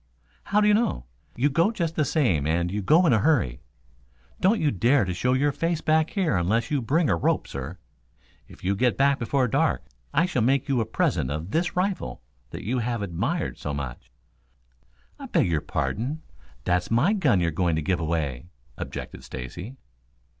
"How do you know? You go just the same and you go in a hurry. Don't you dare to show your face back here unless you bring a rope, sir. If you get back before dark, I shall make you a present of this rifle that you have admired so much " "I beg your pardon, that's my gun you are trying to give away," objected Stacy.